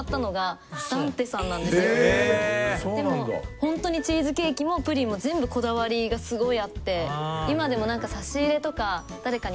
ホントにチーズケーキもプリンも全部こだわりがすごいあって今でもなんか。